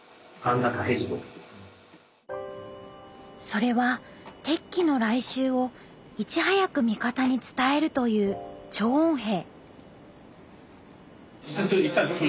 それは敵機の来襲をいち早く味方に伝えるという「聴音兵」。